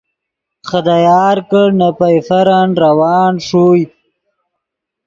خدا یار کڑ نے پئیفرن روان ݰوئے